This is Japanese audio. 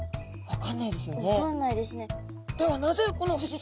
分かんないですね。